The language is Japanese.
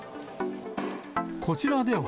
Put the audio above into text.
こちらでは。